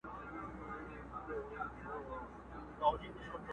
له مکتبه رخصت سوو ماسومانو.